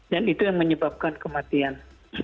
dan itu yang menyebabkan kematian